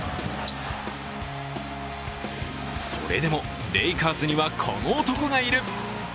それでも、レイカーズにはこの男がいる。